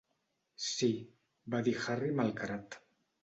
"Sí", va dir Harry malcarat.